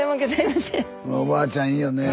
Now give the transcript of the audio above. おばあちゃんいいよね。